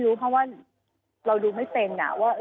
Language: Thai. เราก็ไม่รู้เพราะว่า